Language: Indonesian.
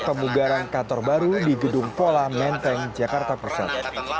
pemugaran kantor baru di gedung pola menteng jakarta pusat